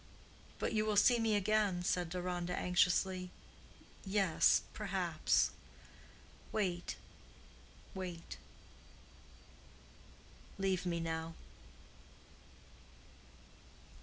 "But you will see me again?" said Deronda, anxiously. "Yes—perhaps. Wait, wait. Leave me now."